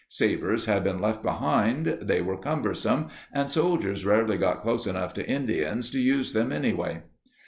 Sabers had been left behind; they were cumbersome and soldiers rarely got close enough to Indians to use them anyway.